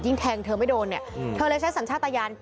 แทงเธอไม่โดนเนี่ยเธอเลยใช้สัญชาติยาน